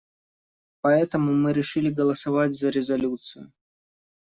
Поэтому мы решили голосовать за резолюцию.